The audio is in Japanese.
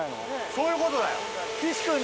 そういうことだよ。